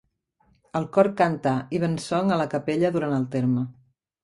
El cor canta Evensong a la capella durant el terme.